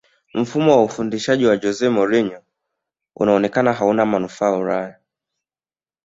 mfumo wa ufundishaji wa jose mourinho unaonekana hauna manufaa ulaya